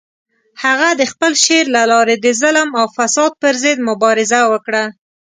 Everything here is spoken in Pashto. هغه د خپل شعر له لارې د ظلم او فساد پر ضد مبارزه وکړه.